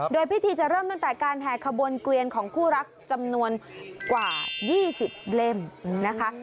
โดยพิธีจะเริ่มตั้งแต่การแห่ขบวนเกวียนของคู่รักจำนวนกว่า๒๐เล่มนะคะ